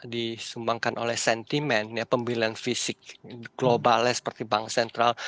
disumbangkan oleh sentimen pemilihan fisik globalnya seperti bank sentral